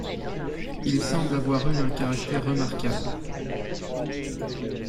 Il semble avoir eu un caractère remarquable.